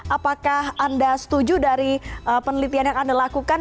apakah anda setuju dari penelitian yang anda lakukan